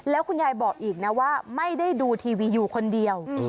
แล้วคุณยายบอกอีกนะว่าไม่ได้ดูทีวีอยู่คนเดียว